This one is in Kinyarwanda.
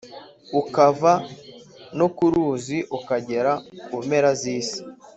ukava no ku Ruzi ukagera ku mpera z’isi.